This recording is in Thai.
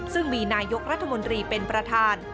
ซึ่งมีนายกรัฐมนตรีเป็นประธาน